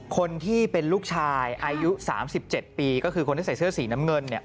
คนที่เป็นลูกชายอายุสามสิบเจ็ดปีก็คือคนที่ใส่เสื้อสีน้ำเงินเนี่ย